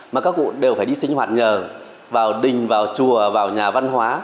mà các cụ đều phải đi sinh hoạt nhờ vào đình vào chùa vào nhà văn hóa